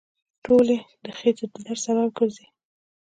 ټولې د خېټې د درد سبب ګرځي.